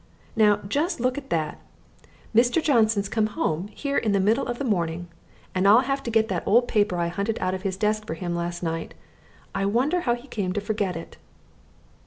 Now, just look at that! Mr. Johnson's come home here in the middle of the morning, and I'll have to get that old paper I hunted out of his desk for him last night. I wonder how he came to forget it!"